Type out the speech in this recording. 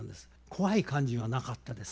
怖い感じはなかったです。